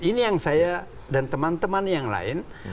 ini yang saya dan teman teman yang lain